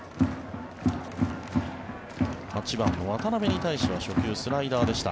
８番の渡邉に対しては初球、スライダーでした。